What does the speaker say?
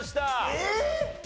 えっ！？